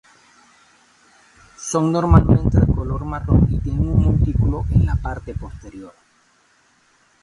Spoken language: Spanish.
Son normalmente de color marrón y tienen un montículo en la parte posterior.